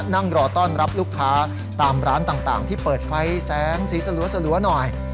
นั่งรอต้อนรับลูกค้าตามร้านต่างที่เปิดไฟแสงสีสลัวหน่อย